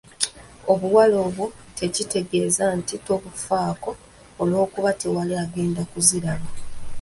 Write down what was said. Obuwale obwo tekitegeeza nti tobufaako olw'okuba tewali agenda kuziraba.